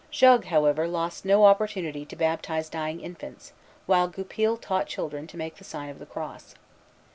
Jogues, however, lost no opportunity to baptize dying infants, while Goupil taught children to make the sign of the cross.